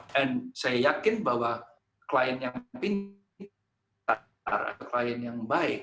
dan saya yakin bahwa klien yang pintar atau klien yang baik